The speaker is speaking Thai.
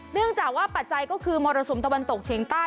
เนื่องจากว่าปัจจัยก็คือมรสุมตะวันตกเฉียงใต้